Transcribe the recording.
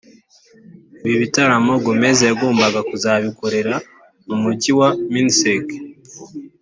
Ibi bitaramo Gomez yagombaga kuzabikorera mu mujyi wa Minsk